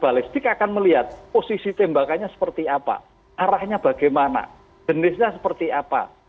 balistik akan melihat posisi tembakannya seperti apa arahnya bagaimana jenisnya seperti apa